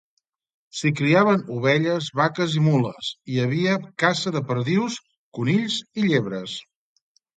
S'hi criaven ovelles, vaques i mules, i hi havia caça de perdius, conills i llebres.